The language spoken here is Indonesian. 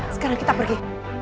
sekarang kita pergi